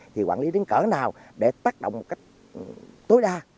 thì quản lý đến cở nào để tác động một cách tối đa